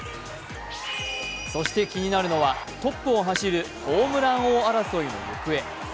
そして気になるのは、トップを走るホームラン王争いの行方。